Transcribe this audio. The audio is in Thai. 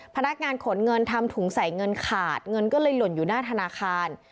พนักงานขนเงินทำถุงใส่เงินขาดเงินก็เลยหล่นอยู่หน้าธนาคาร